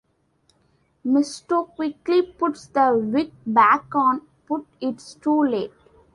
Mysto quickly puts the wig back on, but it's too late.